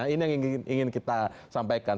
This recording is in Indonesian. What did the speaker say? ini yang ingin kita sampaikan